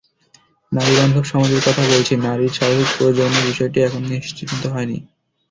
নারীবান্ধব সমাজের কথা বলছি, নারীর স্বাভাবিক প্রয়োজনের বিষয়টি এখনো নিশ্চিত হয়নি।